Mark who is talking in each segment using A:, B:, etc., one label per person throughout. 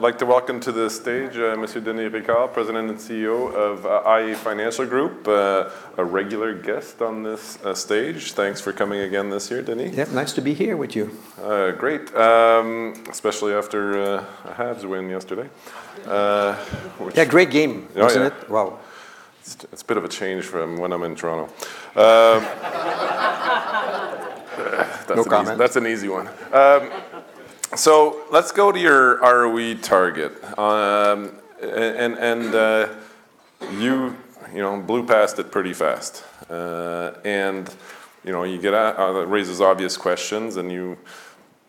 A: I'd like to welcome to the stage Monsieur Denis Ricard, President and CEO of iA Financial Group. A regular guest on this stage. Thanks for coming again this year, Denis.
B: Yep, nice to be here with you.
A: Great. Especially after I had to win yesterday.
B: Yeah, great game.
A: Oh, yeah.
B: Isn't it? Wow.
A: It's a bit of a change from when I'm in Toronto.
B: No comment.
A: That's an easy one. Let's go to your ROE target. You know, you blew past it pretty fast. You know, you get that raises obvious questions, and you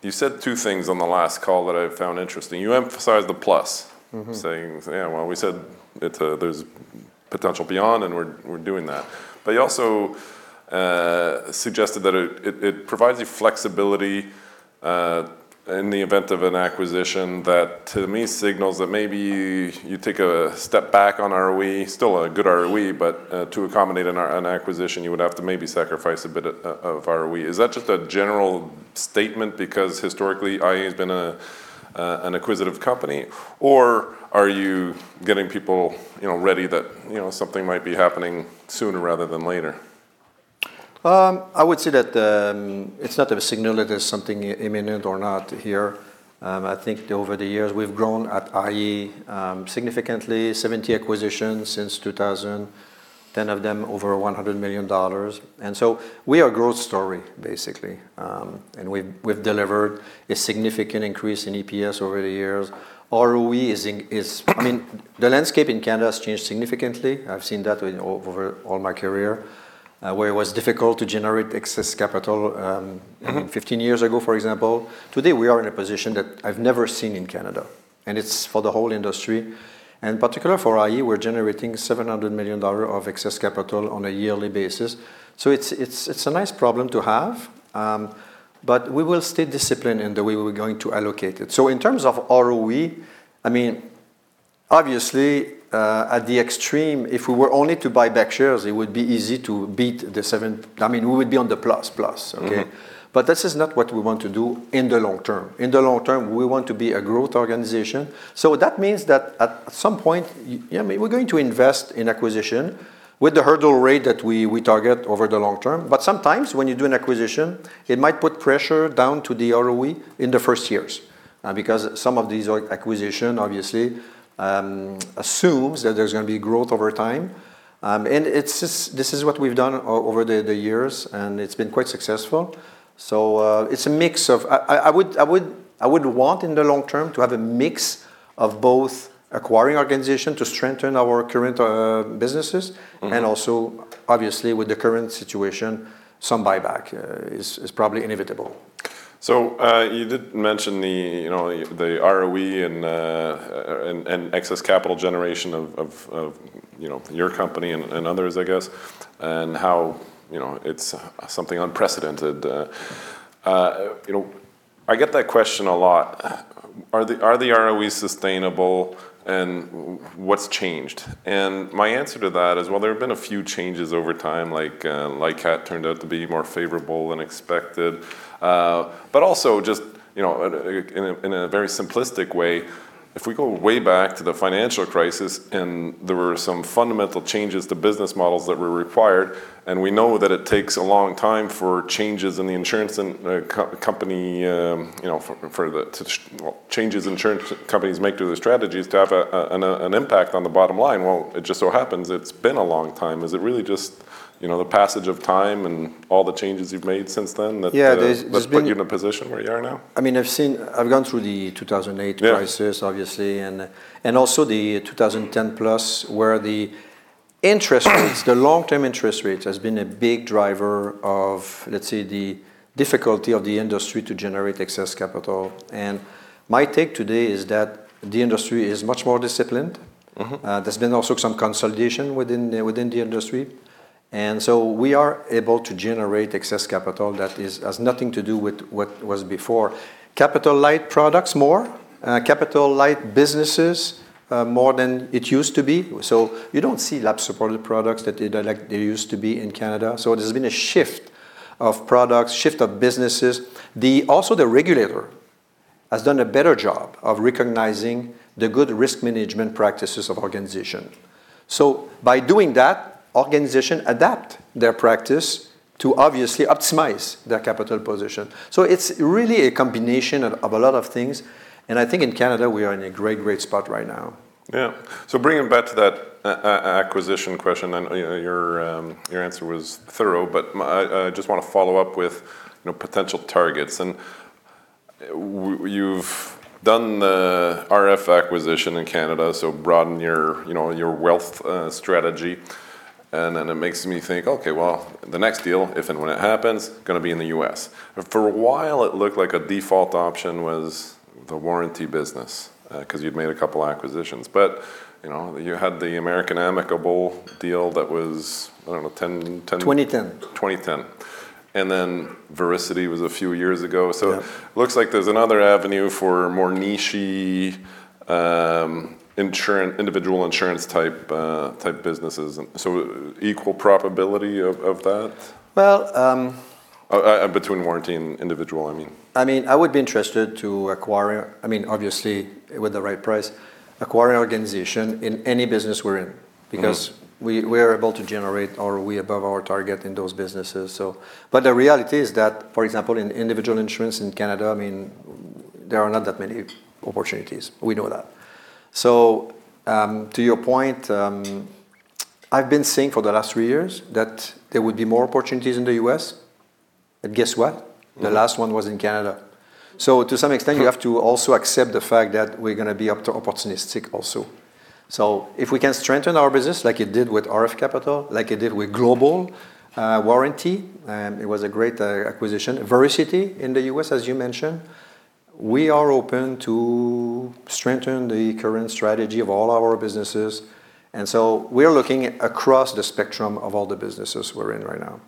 A: said two things on the last call that I found interesting. You emphasized the plus.
B: Mm-hmm.
A: Saying, "Yeah, well, we said it, there's potential beyond and we're doing that." But you also suggested that it provides you flexibility in the event of an acquisition that to me signals that maybe you take a step back on ROE, still a good ROE, but to accommodate an acquisition, you would have to maybe sacrifice a bit of ROE. Is that just a general statement because historically iA has been an acquisitive company? Or are you getting people, you know, ready that, you know, something might be happening sooner rather than later?
B: I would say that it's not a signal that there's something imminent or not here. I think over the years we've grown at iA significantly. 70 acquisitions since 2000, 10 of them over $100 million. We are growth story basically. We've delivered a significant increase in EPS over the years. ROE is, I mean, the landscape in Canada has changed significantly. I've seen that over all my career. Where it was difficult to generate excess capital.
A: Mm-hmm
B: Fifteen years ago, for example. Today, we are in a position that I've never seen in Canada, and it's for the whole industry. In particular for iA, we're generating 700 million dollars of excess capital on a yearly basis. It's a nice problem to have, but we will stay disciplined in the way we're going to allocate it. In terms of ROE, I mean, obviously, at the extreme, if we were only to buy back shares, it would be easy to beat the 7. I mean, we would be on the plus plus.
A: Mm-hmm.
B: Okay? This is not what we want to do in the long term. In the long term, we want to be a growth organization. That means that at some point, you know, we're going to invest in acquisition with the hurdle rate that we target over the long term. Sometimes when you do an acquisition, it might put pressure down to the ROE in the first years. Because some of these acquisition obviously assumes that there's gonna be growth over time. This is what we've done over the years, and it's been quite successful. It's a mix of. I would want in the long term to have a mix of both acquiring organization to strengthen our current businesses.
A: Mm-hmm
B: And also obviously with the current situation, some buyback is probably inevitable.
A: You did mention, you know, the ROE and excess capital generation of, you know, your company and others, I guess, and how, you know, it's something unprecedented. You know, I get that question a lot. Are the ROE sustainable, and what's changed? My answer to that is, well, there have been a few changes over time, like how it turned out to be more favorable than expected. also just, you know, in a very simplistic way, if we go way back to the financial crisis, and there were some fundamental changes to business models that were required, and we know that it takes a long time for changes insurance companies make to their strategies to have an impact on the bottom line. Well, it just so happens it's been a long time. Is it really just, you know, the passage of time and all the changes you've made since then that
B: Yeah, there's been.
A: that's put you in a position where you are now?
B: I mean, I've seen. I've gone through the 2008 crisis.
A: Yeah
B: Obviously, and also the 2010+, where the interest rates, the long-term interest rates, has been a big driver of, let's say, the difficulty of the industry to generate excess capital. My take today is that the industry is much more disciplined.
A: Mm-hmm.
B: There's been also some consolidation within the industry. We are able to generate excess capital that has nothing to do with what was before. Capital-light products more, capital-light businesses, more than it used to be. You don't see lapse-supported products that like they used to be in Canada. There's been a shift of products, shift of businesses. Also the regulator has done a better job of recognizing the good risk management practices of organizations. By doing that, organizations adapt their practice to obviously optimize their capital position. It's really a combination of a lot of things. I think in Canada, we are in a great spot right now.
A: Yeah. Bringing it back to that acquisition question, and you know, your answer was thorough, but I just wanna follow up with you know, potential targets. You've done the RF acquisition in Canada, so broaden your you know, your wealth strategy. Then it makes me think, okay, well, the next deal, if and when it happens, gonna be in the U.S. For a while, it looked like a default option was the warranty business 'cause you'd made a couple acquisitions. You know, you had the American-Amicable deal that was, I don't know, 10-
B: Twenty-ten.
A: 2010. Vericity was a few years ago.
B: Yeah.
A: Looks like there's another avenue for more niche-y insurance, individual insurance type businesses. Equal probability of that?
B: Well,
A: Between warranty and individual, I mean
B: I mean, I would be interested to acquire, I mean, obviously with the right price, acquire an organization in any business we're in because we're able to generate or we're above our target in those businesses, so. The reality is that, for example, in individual insurance in Canada, I mean, there are not that many opportunities. We know that. To your point, I've been saying for the last three years that there would be more opportunities in the U.S. Guess what?
A: Mm-hmm.
B: The last one was in Canada. To some extent.
A: True
B: you have to also accept the fact that we're gonna be opportunistic also. If we can strengthen our business like it did with RF Capital, like it did with Global Warranty, and it was a great acquisition. Vericity in the U.S., as you mentioned. We are open to strengthen the current strategy of all our businesses, and so we are looking across the spectrum of all the businesses we're in right now.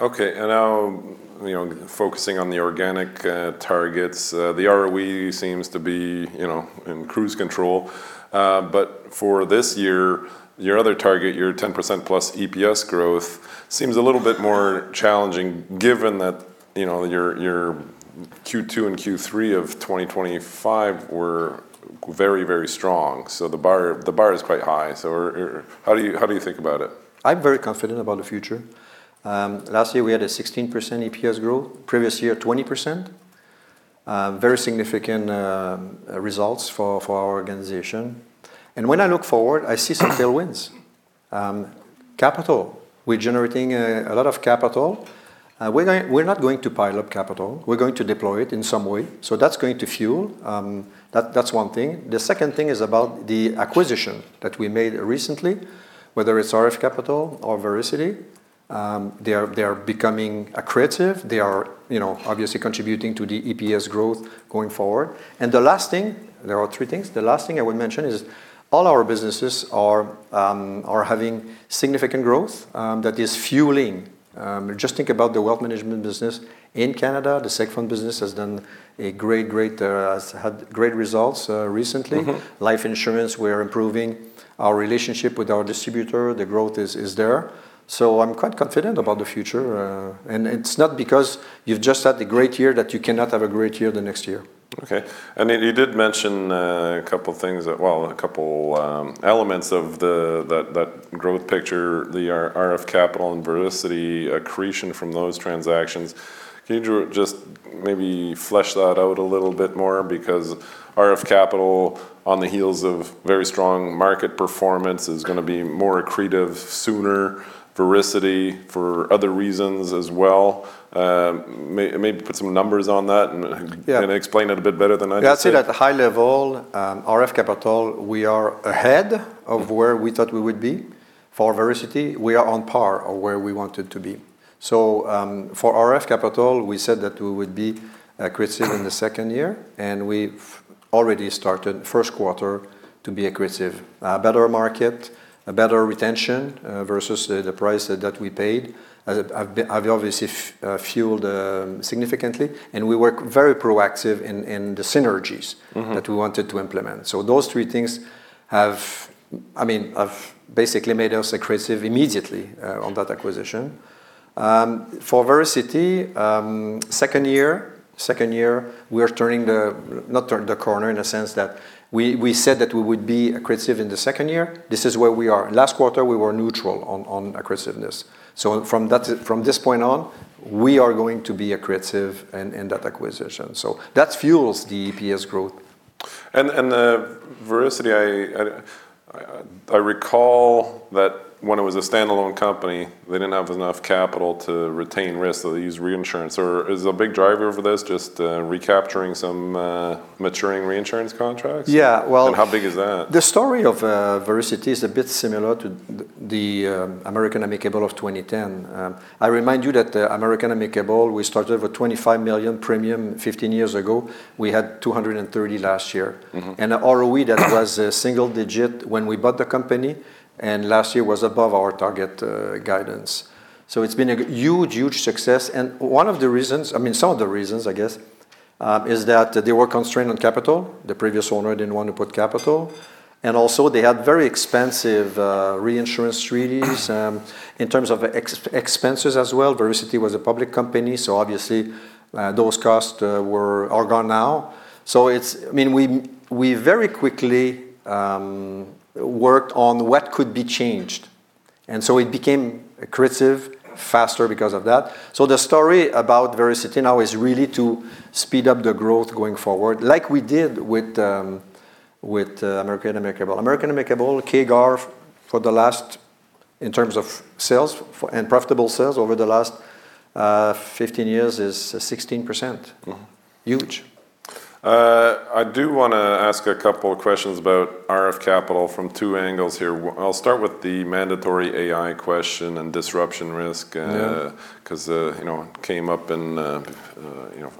A: Okay. Now, you know, focusing on the organic targets, the ROE seems to be, you know, in cruise control. For this year, your other target, your 10%+ EPS growth seems a little bit more challenging given that, you know, your Q2 and Q3 of 2025 were very, very strong. The bar is quite high. How do you think about it?
B: I'm very confident about the future. Last year we had 16% EPS growth, previous year, 20%. Very significant results for our organization. When I look forward, I see some tailwinds. Capital, we're generating a lot of capital. We're not going to pile up capital. We're going to deploy it in some way. That's going to fuel. That, that's one thing. The second thing is about the acquisition that we made recently, whether it's RF Capital or Vericity, they are becoming accretive. They are, you know, obviously contributing to the EPS growth going forward. There are three things. The last thing I would mention is all our businesses are having significant growth that is fueling. Just think about the wealth management business in Canada. The seg fund business has had great results recently.
A: Mm-hmm.
B: Life insurance, we are improving our relationship with our distributor. The growth is there. I'm quite confident about the future. It's not because you've just had a great year that you cannot have a great year the next year.
A: Okay. Then you did mention well, a couple elements of that growth picture, the RF Capital and Vericity accretion from those transactions. Can you just maybe flesh that out a little bit more? Because RF Capital, on the heels of very strong market performance, is gonna be more accretive sooner, Vericity for other reasons as well. Maybe put some numbers on that and
B: Yeah
A: Explain it a bit better than I did.
B: Yeah. I'd say at a high level, RF Capital, we are ahead of where we thought we would be. For Vericity, we are on par with where we wanted to be. For RF Capital, we said that we would be accretive in the second year, and we've already started first quarter to be accretive. Better market, a better retention versus the price that we paid have obviously fueled significantly. We were very proactive in the synergies.
A: Mm-hmm
B: That we wanted to implement. Those three things have, I mean, have basically made us accretive immediately on that acquisition. For Vericity, second year, we are not turning the corner in a sense that we said that we would be accretive in the second year. This is where we are. Last quarter, we were neutral on accretiveness. From that, from this point on, we are going to be accretive in that acquisition. That fuels the EPS growth.
A: The Vericity, I recall that when it was a standalone company, they didn't have enough capital to retain risk, so they used reinsurance. Is a big driver for this just recapturing some maturing reinsurance contracts?
B: Yeah. Well
A: How big is that?
B: The story of Vericity is a bit similar to the American-Amicable of 2010. I remind you that American-Amicable, we started with $25 million premium fifteen years ago. We had $230 million last year.
A: Mm-hmm.
B: And the ROE that was single digit when we bought the company, and last year was above our target, guidance. It's been a huge success. One of the reasons, I mean, some of the reasons, I guess, is that they were constrained on capital. The previous owner didn't want to put capital. Also they had very expensive reinsurance treaties in terms of expenses as well. Vericity was a public company, so obviously, those costs are gone now. I mean, we very quickly worked on what could be changed, and so it became accretive faster because of that. The story about Vericity now is really to speed up the growth going forward, like we did with American-Amicable. American-Amicable CAGR in terms of sales and profitable sales over the last 15 years is 16%.
A: Mm-hmm.
B: Huge.
A: I do wanna ask a couple of questions about RF Capital from two angles here. I'll start with the mandatory AI question and disruption risk.
B: Yeah
A: 'Cause, you know, it came up in, you know,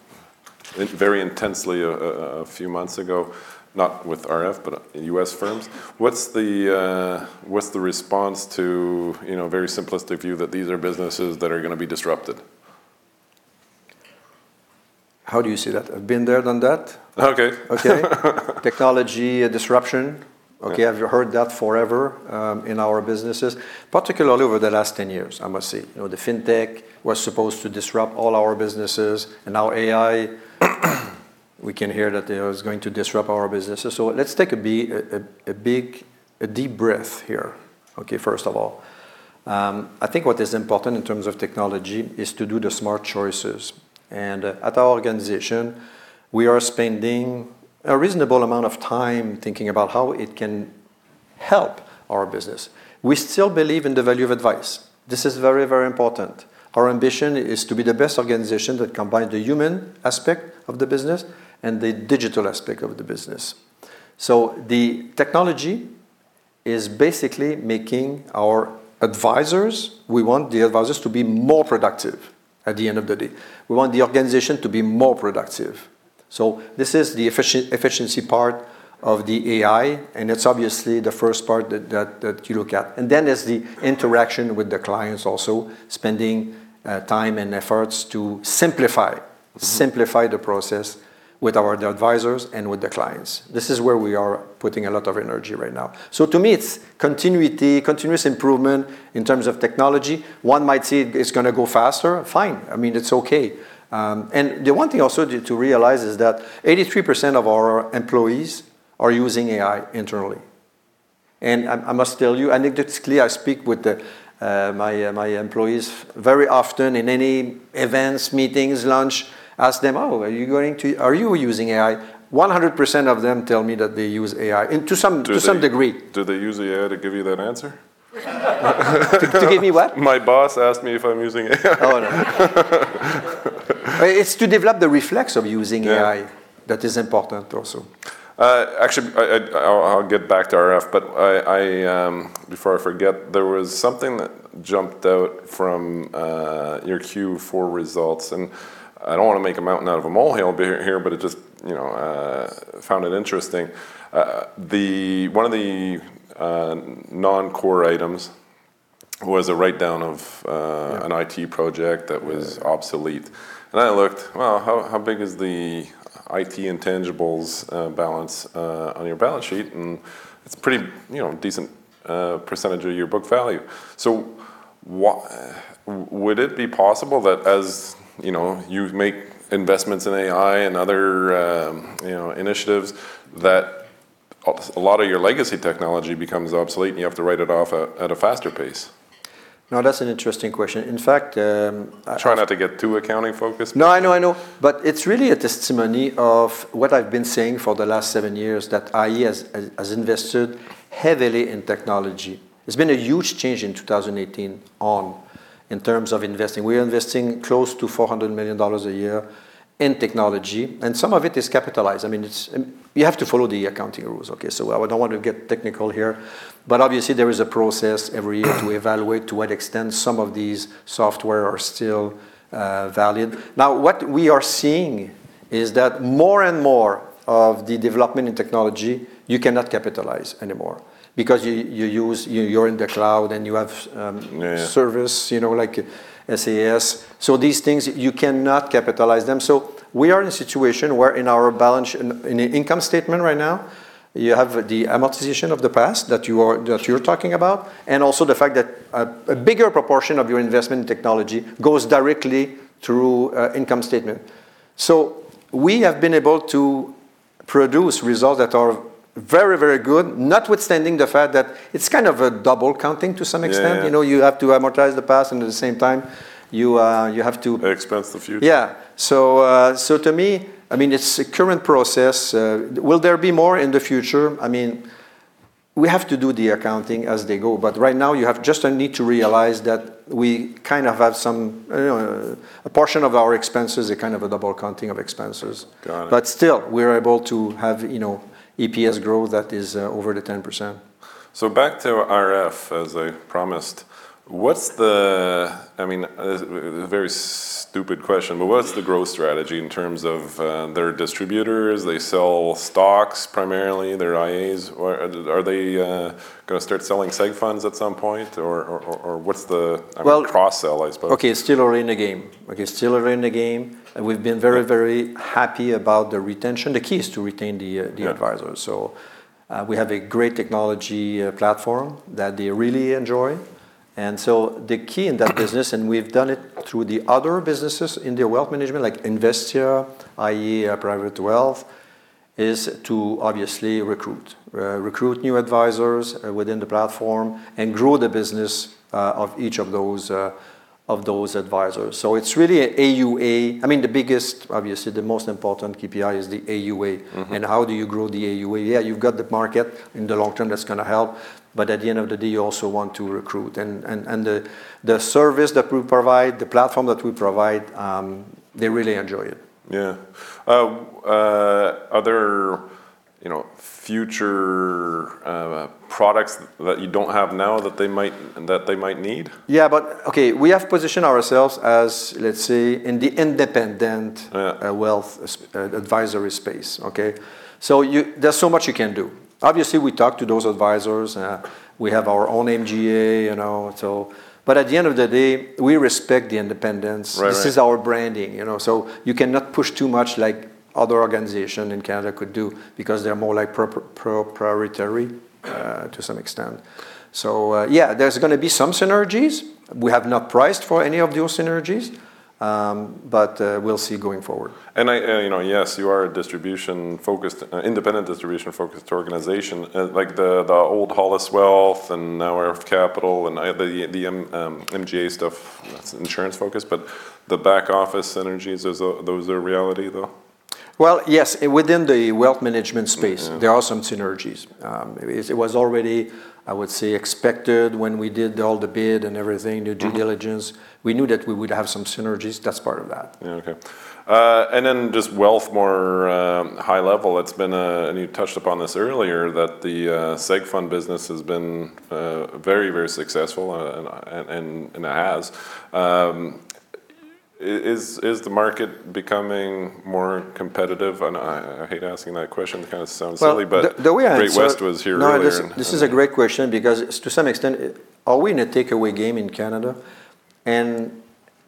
A: very intensely a few months ago, not with RF, but U.S. firms. What's the response to, you know, very simplistic view that these are businesses that are gonna be disrupted?
B: How do you see that? I've been there, done that.
A: Okay.
B: Okay. Technology disruption.
A: Okay.
B: Okay, I've heard that forever, in our businesses, particularly over the last 10 years, I must say. You know, the Fintech was supposed to disrupt all our businesses, and now AI, we can hear that it was going to disrupt our businesses. Let's take a big, deep breath here. Okay, first of all, I think what is important in terms of technology is to do the smart choices. At our organization, we are spending a reasonable amount of time thinking about how it can help our business. We still believe in the value of advice. This is very, very important. Our ambition is to be the best organization that combines the human aspect of the business and the digital aspect of the business. The technology is basically making our advisors. We want the advisors to be more productive at the end of the day. We want the organization to be more productive. This is the efficiency part of the AI, and it's obviously the first part that you look at. Then there's the interaction with the clients also, spending time and efforts to simplify.
A: Mm-hmm
B: Simplify the process with the advisors and with the clients. This is where we are putting a lot of energy right now. To me, it's continuity, continuous improvement in terms of technology. One might say it's gonna go faster. Fine. I mean, it's okay. The one thing also to realize is that 83% of our employees are using AI internally. I must tell you anecdotally, I speak with my employees very often in any events, meetings, lunch, ask them, "Oh, are you using AI?" 100% of them tell me that they use AI and to some-
A: Do they-
B: to some degree.
A: Do they use AI to give you that answer?
B: To give me what?
A: My boss asked me if I'm using AI.
B: Oh, no. It's to develop the reflex of using AI.
A: Yeah
B: That is important also.
A: Actually, I'll get back to RF, but before I forget, there was something that jumped out from your Q4 results, and I don't wanna make a mountain out of a molehill here, but it just, you know, found it interesting. One of the non-core items was a write-down of
B: Yeah
A: An IT project that was obsolete. I looked, well, how big is the IT intangibles balance on your balance sheet? It's pretty, you know, decent percentage of your book value. Would it be possible that as, you know, you make investments in AI and other, you know, initiatives, that a lot of your legacy technology becomes obsolete, and you have to write it off at a faster pace?
B: Now, that's an interesting question. In fact,
A: Try not to get too accounting-focused.
B: No, I know, I know. It's really a testimony of what I've been saying for the last seven years that iA has invested heavily in technology. It's been a huge change in 2018 and in terms of investing. We are investing close to 400 million dollars a year in technology, and some of it is capitalized. I mean, it's. You have to follow the accounting rules, okay? I don't want to get technical here, but obviously, there is a process every year to evaluate to what extent some of these software are still valid. Now, what we are seeing is that more and more of the development in technology, you cannot capitalize anymore because you use—you're in the cloud, and you have
A: Yeah
B: Service, you know, like SaaS. These things, you cannot capitalize them. We are in a situation where in our income statement right now, you have the amortization of the past that you're talking about, and also the fact that a bigger proportion of your investment technology goes directly through income statement. We have been able to produce results that are very, very good, notwithstanding the fact that it's kind of a double counting to some extent.
A: Yeah.
B: You know, you have to amortize the past, and at the same time, you have to.
A: Expense the future.
B: Yeah. To me, I mean, it's a current process. Will there be more in the future? I mean, we have to do the accounting as they go, but right now, you just need to realize that we kind of have some, you know, a portion of our expenses are kind of a double counting of expenses.
A: Got it.
B: still, we're able to have, you know, EPS growth that is over 10%.
A: Back to RF, as I promised. I mean, a very stupid question, but what's the growth strategy in terms of their distributors? They sell stocks, primarily their IAs? Or are they gonna start selling seg funds at some point? Or what's the
B: Well-
A: I mean, cross-sell, I suppose.
B: Okay, it's still early in the game. We've been very, very happy about the retention. The key is to retain the advisors.
A: Yeah.
B: We have a great technology platform that they really enjoy. The key in that business, and we've done it through the other businesses in the wealth management, like Investia, iA Private Wealth, is to obviously recruit. Recruit new advisors within the platform and grow the business of each of those advisors. It's really AUA. I mean, the biggest, obviously, the most important KPI is the AUA.
A: Mm-hmm.
B: How do you grow the AUA? Yeah, you've got the market. In the long term, that's gonna help, but at the end of the day, you also want to recruit. The service that we provide, the platform that we provide, they really enjoy it.
A: Yeah. Other, you know, future products that you don't have now that they might need?
B: Okay, we have positioned ourselves as, let's say, in the independent
A: Yeah
B: Wealth advisory space, okay? You, there's so much you can do. Obviously, we talk to those advisors. We have our own MGA, you know. At the end of the day, we respect the independence.
A: Right.
B: This is our branding, you know, so you cannot push too much like other organization in Canada could do because they're more like proprietary-
A: Mm-hmm
B: To some extent. Yeah, there's gonna be some synergies. We have not priced for any of those synergies. We'll see going forward.
A: You know, yes, you are an independent distribution-focused organization. Like the old HollisWealth and now RF Capital, and I have the MGA stuff. That's insurance-focused. The back office synergies, are those a reality though?
B: Well, yes. Within the wealth management space.
A: Mm-hmm
B: There are some synergies. It was already, I would say, expected when we did all the bid and everything, due diligence. We knew that we would have some synergies. That's part of that.
A: Yeah. Okay. Just wealth more high level. You touched upon this earlier that the seg fund business has been very successful, and it has. Is the market becoming more competitive? I hate asking that question. It kinda sounds silly.
B: Well, the way I
A: Great-West Lifeco was here earlier.
B: No, this is a great question because to some extent, are we in a takeaway game in Canada?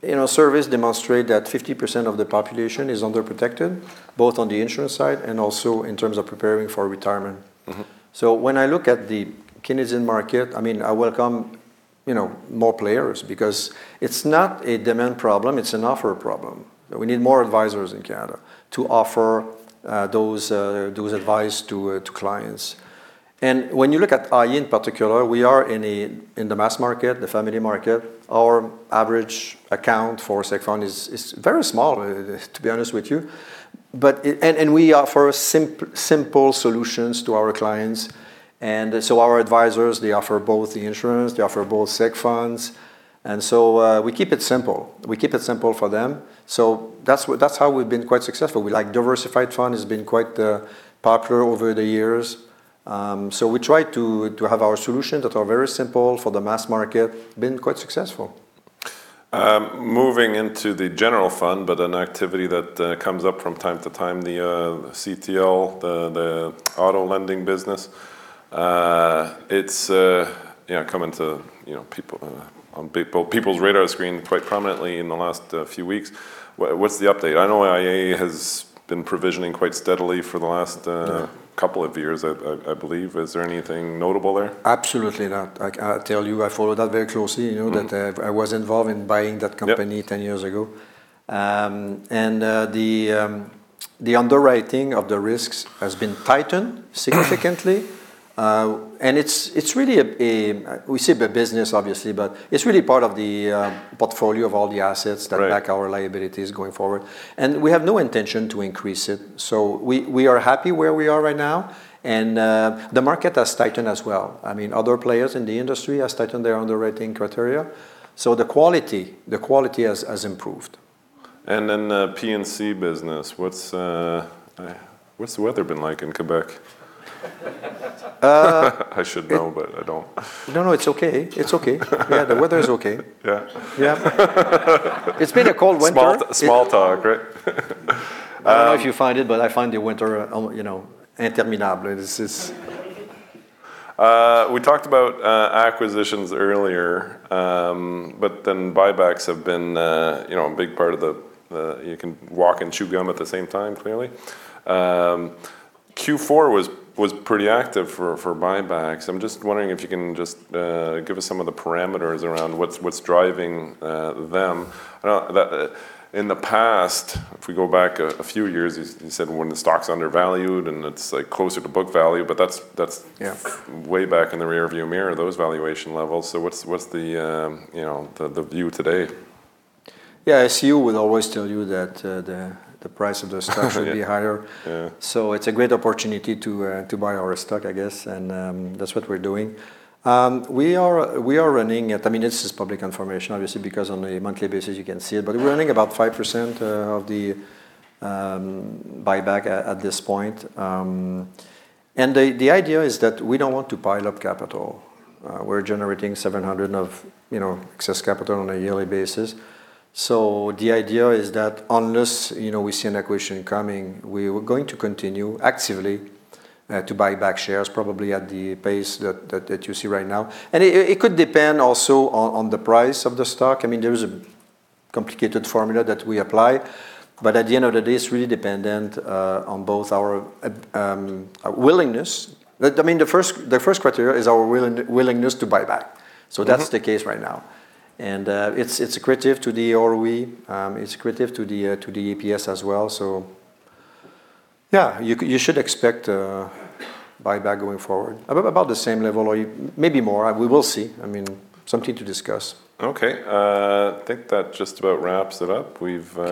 B: You know, surveys demonstrate that 50% of the population is underprotected, both on the insurance side and also in terms of preparing for retirement.
A: Mm-hmm.
B: When I look at the Canadian market, I mean, I welcome, you know, more players because it's not a demand problem, it's an offer problem. We need more advisors in Canada to offer those advice to clients. When you look at iA in particular, we are in the mass market, the family market. Our average account for seg fund is very small, to be honest with you. But we offer simple solutions to our clients. Our advisors offer both the insurance and seg funds, so we keep it simple. We keep it simple for them. That's what, that's how we've been quite successful. We, like, diversified fund has been quite popular over the years. We try to have our solutions that are very simple for the mass market. We've been quite successful.
A: Moving into the general fund, an activity that comes up from time to time, the auto lending business. It's you know come onto you know people's radar screen quite prominently in the last few weeks. What's the update? I know iA has been provisioning quite steadily for the last
B: Yeah
A: Couple of years I believe. Is there anything notable there?
B: Absolutely not. I tell you, I follow that very closely. You know.
A: Mm-hmm
B: that I was involved in buying that company.
A: Yep
B: Ten years ago, the underwriting of the risks has been tightened significantly. We see the business obviously, but it's really part of the portfolio of all the assets.
A: Right
B: That back our liabilities going forward. We have no intention to increase it. We are happy where we are right now. The market has tightened as well. I mean, other players in the industry have tightened their underwriting criteria. The quality has improved.
A: The P&C business. What's the weather been like in Quebec? I should know, but I don't.
B: No, no, it's okay. It's okay. Yeah, the weather is okay.
A: Yeah.
B: Yeah. It's been a cold winter.
A: Small talk, right?
B: I don't know if you find it, but I find the winter, you know, interminable.
A: We talked about acquisitions earlier. Buybacks have been, you know, a big part of the. You can walk and chew gum at the same time, clearly. Q4 was pretty active for buybacks. I'm just wondering if you can just give us some of the parameters around what's driving them. That, in the past, if we go back a few years, you said when the stock's undervalued and it's like closer to book value, but that's
B: Yeah
A: way back in the rearview mirror, those valuation levels. What's the, you know, the view today?
B: Yeah. A CEO will always tell you that the price of the stock should be higher.
A: Yeah.
B: It's a great opportunity to buy our stock, I guess, and that's what we're doing. We are running at. I mean, this is public information obviously because on a monthly basis you can see it, but we're running about 5% of the buyback at this point. The idea is that we don't want to pile up capital. We're generating 700 of excess capital on a yearly basis. The idea is that unless, you know, we see an acquisition coming, we were going to continue actively to buy back shares probably at the pace that you see right now. It could depend also on the price of the stock. I mean, there is a complicated formula that we apply, but at the end of the day, it's really dependent on both our willingness. I mean, the first criteria is our willingness to buy back.
A: Mm-hmm.
B: That's the case right now. It's accretive to the ROE. It's accretive to the EPS as well. Yeah, you should expect buyback going forward about the same level or maybe more. We will see. I mean, something to discuss.
A: Okay. I think that just about wraps it up. We've